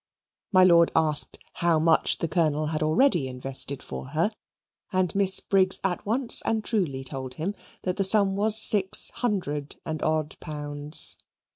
My lord asked how much the Colonel had already invested for her, and Miss Briggs at once and truly told him that the sum was six hundred and odd pounds.